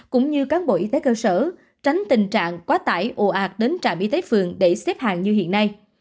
cũng như cán bộ y tế cơ sở tránh tình trạng quá tải ô ạt đến trạm y tế phường để xếp hàng như hiện nay